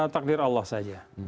takdir allah saja